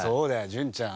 潤ちゃん。